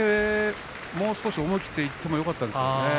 もう少し投げを思いきっていってもよかったですね